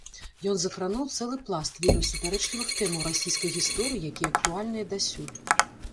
Ён закрануў цэлы пласт вельмі супярэчлівых тэмаў расійскай гісторыі, якія актуальныя дасюль.